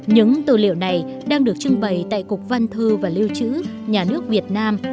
những tờ liệu này đang được trưng bày tại cục văn thư và liêu chữ nhà nước việt nam